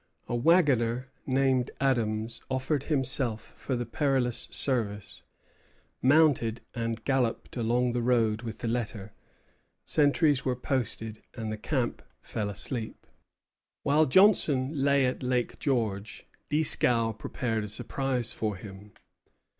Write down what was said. A wagoner named Adams offered himself for the perilous service, mounted, and galloped along the road with the letter. Sentries were posted, and the camp fell asleep. While Johnson lay at Lake George, Dieskau prepared a surprise for him.